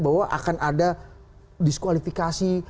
bahwa akan ada diskualifikasi